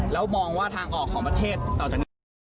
แล้วมองว่าทางออกของประเทศต่อจากนี้